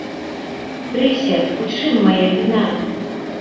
Прыся, у чым мая віна?